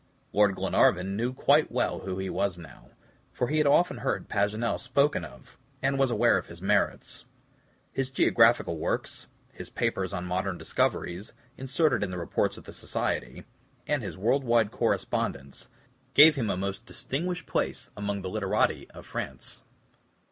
Lord Glenarvan knew quite well who he was now, for he had often heard Paganel spoken of, and was aware of his merits. His geographical works, his papers on modern discoveries, inserted in the reports of the Society, and his world wide correspondence, gave him a most distinguished place among the LITERATI of France.